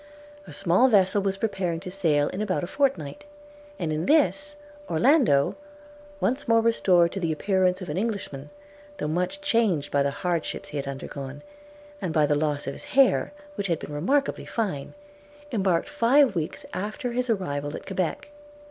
A small vessel was preparing to sail in about a fortnight; and in this Orlando, once more restored to the appearance of an Englishman (though much changed by the hardships he had undergone, and by the loss of his hair, which had been remarkably fine), embarked five weeks after his arrival at Quebec.